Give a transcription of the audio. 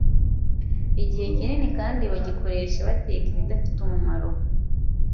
Igihe kinini kandi bagikoresha bateka ibidafite umumaro